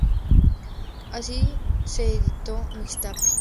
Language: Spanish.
Así se editó Mixtape!